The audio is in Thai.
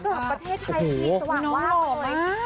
เกือบประเทศไทยที่สว่างว่างเลย